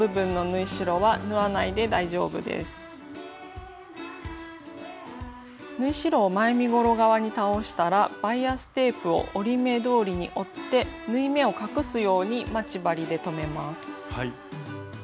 縫い代を前身ごろ側に倒したらバイアステープを折り目どおりに折って縫い目を隠すように待ち針で留めます。